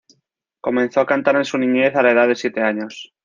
Comenzó a cantar en su niñez a la edad de siete años.